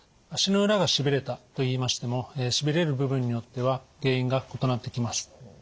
足の裏がしびれたといいましてもしびれる部分によっては原因が異なってきます。